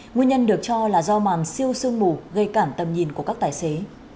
nguyên nhân được cho là do màn siêu sương mù gây cản tầm nhìn của các tài xế